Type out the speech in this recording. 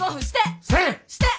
して。